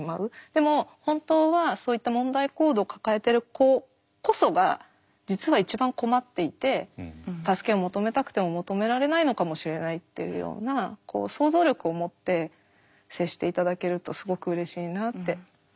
でも本当はそういった問題行動を抱えてる子こそが実は一番困っていて助けを求めたくても求められないのかもしれないっていうような想像力を持って接して頂けるとすごくうれしいなって。